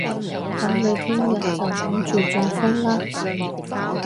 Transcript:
噉你聽日就等住中風啦